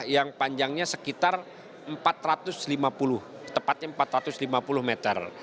yang panjangnya sekitar empat ratus lima puluh tepatnya empat ratus lima puluh meter